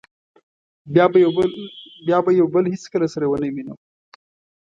بیا به یو بل هېڅکله سره و نه وینو.